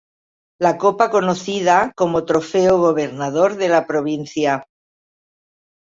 La copa conocida como "Trofeo Gobernador de la Provincia".